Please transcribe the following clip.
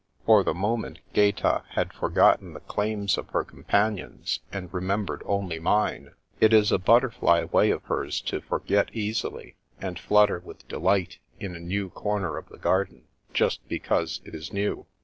For the moment Gaeta had forgotten the claims of her companions, and remembered only mine. It is a butterfly way 178 The Princess Passes of hers to forget easily, and flutter with delight in a new comer of the garden, just because it is new.